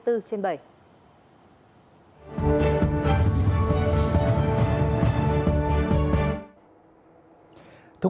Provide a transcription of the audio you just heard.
thưa quý vị và các bạn